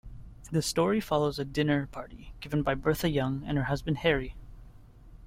The story follows a dinner party given by Bertha Young and her husband Harry.